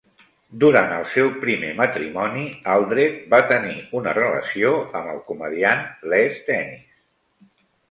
Durant el seu primer matrimoni Aldred va tenir una relació amb el comediant Les Dennis.